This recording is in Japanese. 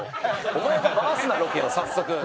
お前が回すなロケを早速。